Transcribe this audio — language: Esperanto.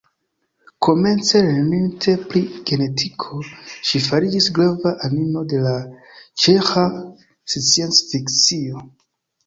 Komence lerninte pri genetiko, ŝi fariĝis grava anino de la ĉeĥa sciencfikcio.